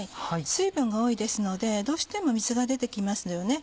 水分が多いですのでどうしても水が出て来ますよね。